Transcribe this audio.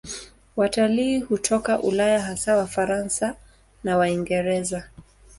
Watalii hutoka Ulaya, hasa Wafaransa na Waingereza.